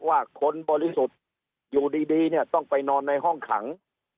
ว่าคนบริสุทธิ์อยู่ดีเนี่ยต้องไปนอนในห้องขัง